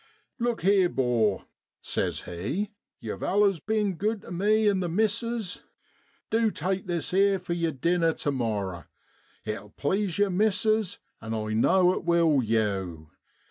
'Look here, 'bor,' says he, 'yow've allers bin good tu me an' the missus du take this 'ere for yer dinner tu morrer. It'll plaase yer missus, and I know it will yow.